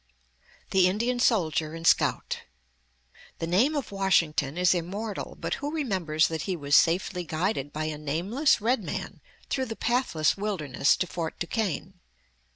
THE INDIAN SOLDIER AND SCOUT The name of Washington is immortal; but who remembers that he was safely guided by a nameless red man through the pathless wilderness to Fort Duquesne?